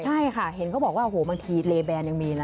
ใช่ค่ะเห็นเขาบอกว่าโอ้โหบางทีเลแบนยังมีนะ